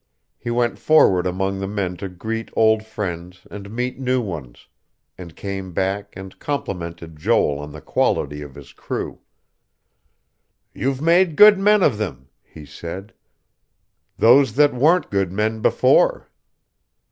He went forward among the men to greet old friends and meet new ones, and came back and complimented Joel on the quality of his crew. "You've made good men of them," he said. "Those that weren't good men before."